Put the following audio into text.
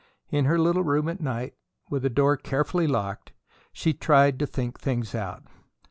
In her little room at night, with the door carefully locked, she tried to think things out.